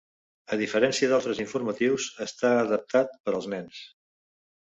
A diferència d'altres informatius, està adaptat per als nens.